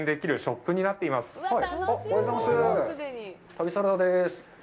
旅サラダです。